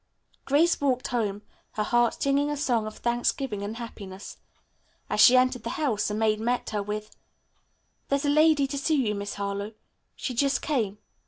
Grace walked home, her heart singing a song of thanksgiving and happiness. As she entered the house the maid met her with, "There's a lady to see you, Miss Harlowe. She just came."